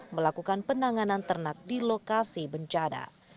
melakukan penanganan ternak di lokasi bencana